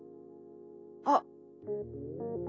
あっ。